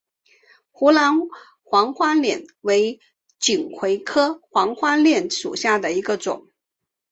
湖南黄花稔为锦葵科黄花稔属下的一个种。